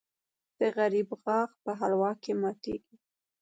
د غریب غاښ په حلوا کې ماتېږي.